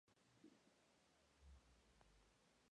Big Fighter" resultó ser su último juego de arcade.